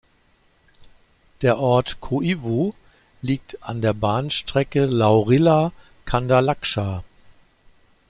Der Ort Koivu liegt an der Bahnstrecke Laurila–Kandalakscha.